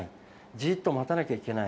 じーっと待たなきゃいけない。